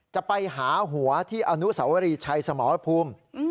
จะไปหาหัวที่อนุสวรีชัยสมรภูมิ